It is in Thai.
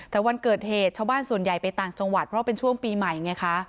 แต่วันเกิดเหตุชาวบ้านส่วนใหญ่ไปต่างจังหวัดเพราะเป็นช่วงปีใหม่ไงคะ